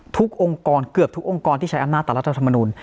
องค์กรเกือบทุกองค์กรที่ใช้อำนาจต่อรัฐธรรมนุน